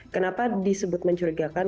kenapa disebut mencurigakan